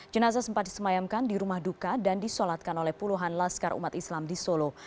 jenazah sempat disemayamkan di rumah duka dan disolatkan oleh puluhan laskar umat islam di solo